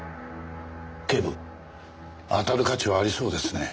警部当たる価値はありそうですね。